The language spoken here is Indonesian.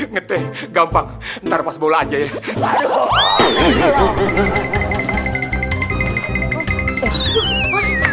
ngerti gampang ntar pas bola aja ya